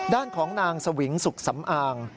ด้านของนางสวิงสุขสำอาง